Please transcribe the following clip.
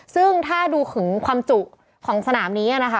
ซึ่งถ้าดูถึงความจุของสนามนี้นะคะ